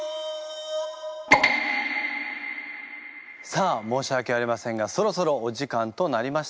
さあ申し訳ありませんがそろそろお時間となりました。